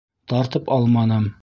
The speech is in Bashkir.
Тартып алманым.